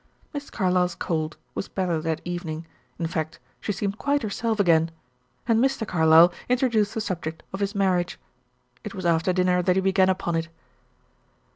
Miss Carlyle's cold was better that evening, in fact she seemed quite herself again, and Mr. Carlyle introduced the subject of his marriage. It was after dinner that he began upon it.